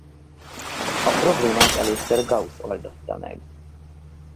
A problémát először Gauss oldotta meg.